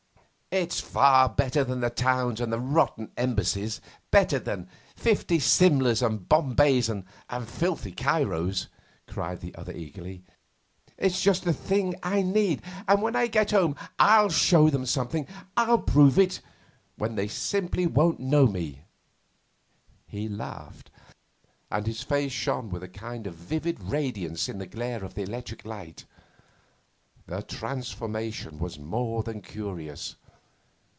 'It's far better than the towns and the rotten embassies; better than fifty Simlas and Bombays and filthy Cairos,' cried the other eagerly. 'It's just the thing I need, and when I get home I'll show 'em something. I'll prove it. Why, they simply won't know me!' He laughed, and his face shone with a kind of vivid radiance in the glare of the electric light. The transformation was more than curious.